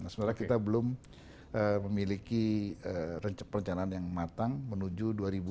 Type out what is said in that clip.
sebenarnya kita belum memiliki rencana yang matang menuju dua ribu empat puluh lima